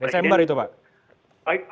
desember itu pak